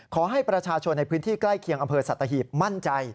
ขอให้ประชาชนในพื้นที่ใกล้เคียงอำเภอสัตหีบมั่นใจ